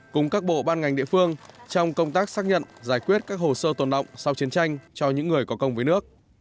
cùng các bộ ban ngành địa phương trong công tác xác nhận giải quyết các hồ sơ tồn động sau chiến tranh cho những người có công với nước